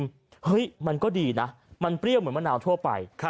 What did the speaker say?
เฮ้ยมันก็ดีนะมันเปรี้ยวเหมือนมะนาวทั่วไป